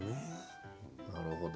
なるほど。